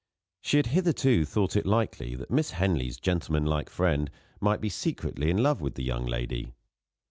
She had hitherto thought it likely that Miss Henley's gentleman like friend might be secretly in love with the young lady.